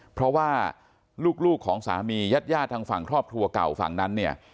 เพราะว่าลูกของสามีญาติทางฝั่งครอบครัวเก่าฝั่งนั้นเนี่ย